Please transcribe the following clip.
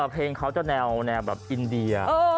เพลงเขาจะแนวแบบอินเดีย